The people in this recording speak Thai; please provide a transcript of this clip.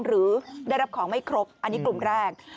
หรือได้รับของไม่ครบอันนี้กลุ่มแรก